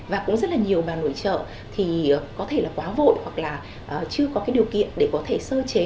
và cũng rất là nhiều bà nội trợ thì có thể là quá vội hoặc là chưa có cái điều kiện để có thể sơ chế